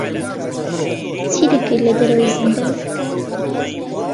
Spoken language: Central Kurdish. چی دەکەیت لە دەرەوەی زیندان؟